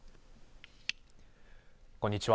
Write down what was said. こんにちは。